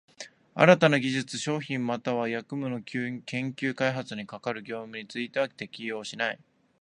新たな技術、商品又は役務の研究開発に係る業務については適用しない。